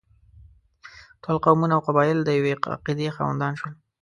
ټول قومونه او قبایل د یوې عقیدې خاوندان شول.